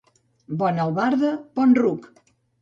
Bona albarda, bon ruc.